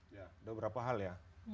ya sudah berapa hal ya